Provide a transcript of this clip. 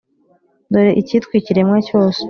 Dore icyitwa ikiremwa cyose.